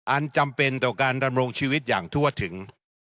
อันจำเป็นต่อการดำรงชีวิตอย่างทั่วถึง